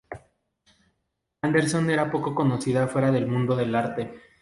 Anderson era poco conocida fuera del mundo del arte.